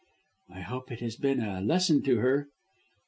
"I hope it has been a lesson to her."